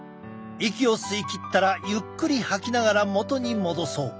息を吸い切ったらゆっくり吐きながら元に戻そう。